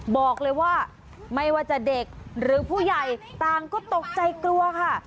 บอกเลยว่าไม่ว่าจะเด็กหรือผู้ใหญ่ต่างก็ตกใจกลัวค่ะ